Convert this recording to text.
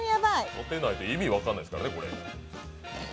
当てないと、意味分かんないですからね、これ。